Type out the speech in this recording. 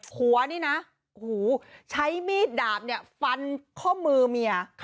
ผัวนี่นะใช้มีดดาบเนี่ยฟันข้อมือเมีย